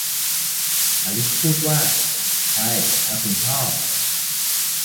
อลิซพูดว่า ใช่ ถ้าคุณชอบ